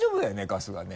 春日ね。